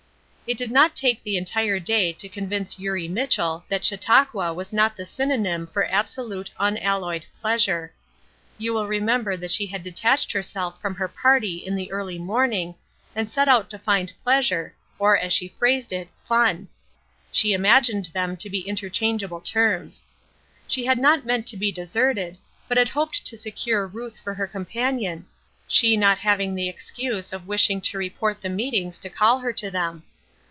It did not take the entire day to convince Eurie Mitchell that Chautauqua was not the synonym for absolute, unalloyed pleasure. You will remember that she detached herself from her party in the early morning, and set out to find pleasure, or, as she phrased it, "fun." She imagined them to be interchangeable terms. She had not meant to be deserted, but had hoped to secure Ruth for her companion, she not having the excuse of wishing to report the meetings to call her to them.